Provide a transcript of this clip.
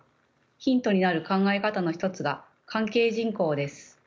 ヒントになる考え方の一つが関係人口です。